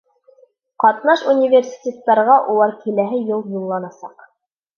Ҡатнаш университеттарға улар киләһе йыл юлланасаҡ.